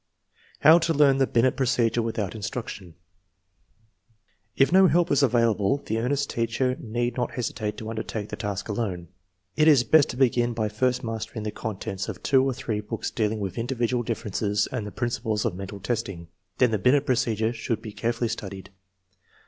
How to learn the Binet procedure without instruc tion. If no help is available the earnest teacher need not hesitate to undertake the task alone. It is best to begin by first mastering the contents of two or three books dealing with individual differences and the principles of mental testing. Then the Binet pro cedure should be carefully studied.